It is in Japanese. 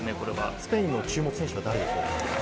スペインの注目選手は誰ですか？